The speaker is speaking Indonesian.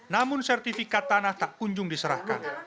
namun sertifikat tanah tak kunjung diserahkan